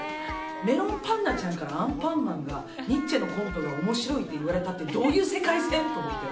メロンパンナちゃんからアンパンマンがニッチェのコントが面白いって言われたってどんな世界線？って。